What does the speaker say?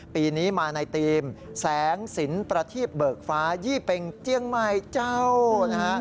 ปีนี้มาในธีมแสงสินประทีบเบิกฟ้ายี่เป็งเจียงใหม่เจ้านะฮะ